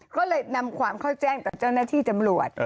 ก็เลยนำความเข้าแจ้งต่อเจ้าหน้าที่จำรวจ